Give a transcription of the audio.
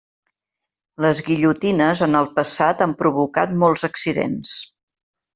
Les guillotines en el passat han provocat molts accidents.